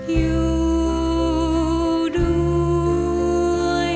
อยู่ดูสุดท้าย